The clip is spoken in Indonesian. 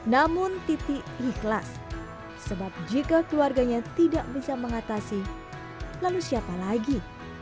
namun titi ikhlas sebab jika keluarganya tidak bisa mengatasi lalu siapa lagi